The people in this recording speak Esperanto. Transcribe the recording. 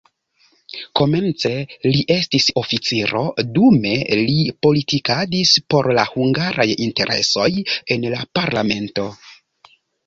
Komence li estis oficiro, dume li politikadis por la hungaraj interesoj en la parlamento.